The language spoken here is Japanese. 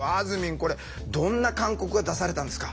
これどんな勧告が出されたんですか？